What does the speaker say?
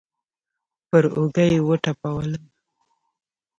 پر اوږه يې وټپولم.